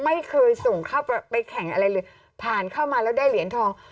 ไม่เคยส่งเข้าไปแข่งอะไรเลยผ่านเข้ามาแล้วได้เหรียญทอง